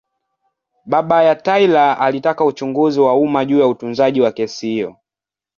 Baba ya Taylor alitaka uchunguzi wa umma juu ya utunzaji wa kesi hiyo.